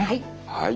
はい。